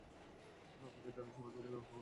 আমাকে জালিম সম্প্রদায় থেকে রক্ষা করুন।